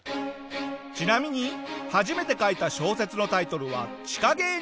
ちなみに初めて書いた小説のタイトルは『地下芸人』。